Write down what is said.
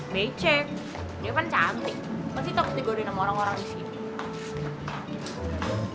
becek dia kan cantik pasti takut digodohin sama orang orang disini